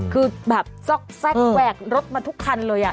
คือแบบซอกแทรกแหวกรถมาทุกคันเลย